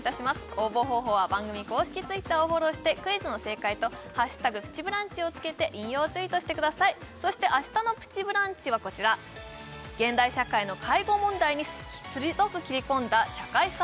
応募方法は番組公式Ｔｗｉｔｔｅｒをフォローしてクイズの正解と「＃プチブランチ」をつけて引用ツイートしてくださいそして明日の「プチブランチ」はこちら現代社会の介護問題に鋭く切り込んだ社会派